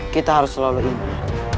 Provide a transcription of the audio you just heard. kita harus selalu ingat